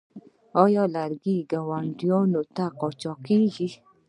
آیا لرګي ګاونډیو ته قاچاق کیږي؟